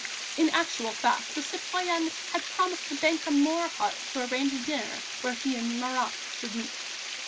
In actual fact, the citoyenne had promised the banker Morhardt to arrange a dinner where he and Marat should meet.